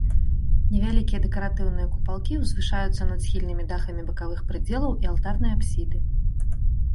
Невялікія дэкаратыўныя купалкі ўзвышаюцца над схільнымі дахамі бакавых прыдзелаў і алтарнай апсіды.